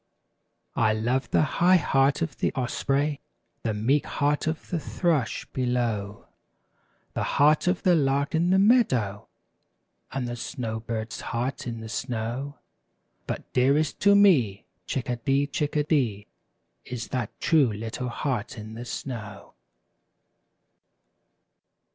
I love the high heart of the osprey. The meek heart of the thrush, below. The heart of the lark in the meadow. And the snow bird's heart in the snow; But dearest to me. Chickadee ! Chickadee ! Is that true little heart in the snow.